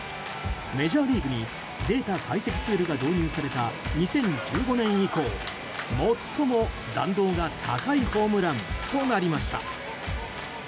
メジャーリーグにデータ解析ツールが導入された２０１５年以降、最も弾道が高いホームランとなりました。